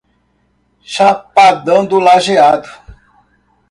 Chapadão do Lageado